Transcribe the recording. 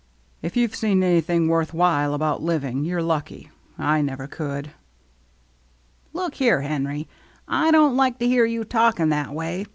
If you have seen anything worth while about living, you're lucky. I never could." " Look here, Henry, I don't like to hear 192 THE MERRT ANNE you talking that way.